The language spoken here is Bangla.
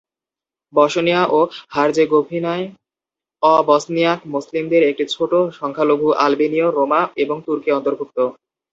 বসনিয়া ও হার্জেগোভিনায় অ-বসনিয়াক মুসলমানদের একটি ছোট সংখ্যালঘু আলবেনীয়, রোমা এবং তুর্কি অন্তর্ভুক্ত।